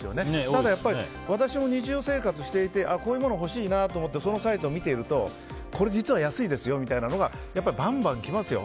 ただ、私も日常生活していてこういうものがほしいなと思ってサイトを見ているとこれは実は安いですよとか結構来ますよ。